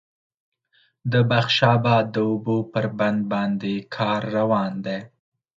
د بخش آباد د اوبو پر بند باندې کار روان دی